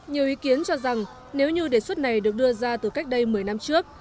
nhiều ý kiến cho rằng nếu như đề xuất này được đưa ra từ cách đây một mươi năm trước